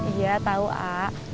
iya tahu a